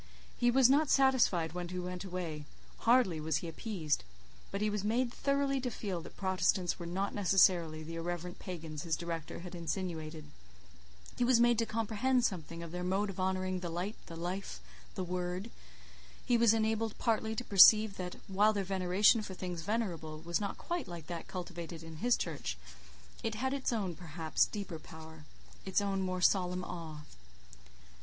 He was not satisfied when he went away, hardly was he appeased; but he was made thoroughly to feel that Protestants were not necessarily the irreverent Pagans his director had insinuated; he was made to comprehend something of their mode of honouring the Light, the Life, the Word; he was enabled partly to perceive that, while their veneration for things venerable was not quite like that cultivated in his Church, it had its own, perhaps, deeper power—its own more solemn awe.